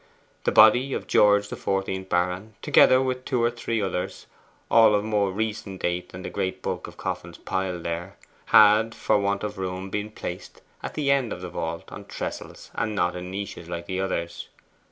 The body of George the fourteenth baron, together with two or three others, all of more recent date than the great bulk of coffins piled there, had, for want of room, been placed at the end of the vault on tressels, and not in niches like the others.